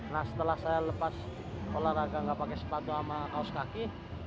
nah setelah saya lepas olahraga gak pakai sepatu sama kaos kaki